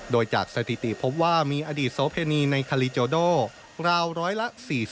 โดยจากสถิติพบว่ามีอดีตโสเพณีในคาลีโจโดราวร้อยละ๔๐